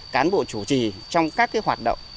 cán bộ chủ trì trong các cái hoạt động